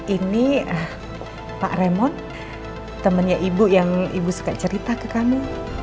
ini pak remon temennya ibu yang ibu suka cerita ke kami